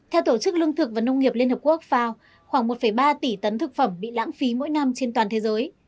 theo tổ chức lương thực và nông nghiệp liên hợp quốc fao khoảng một ba tỷ tấn thực phẩm bị lãng phí mỗi năm trên toàn thế giới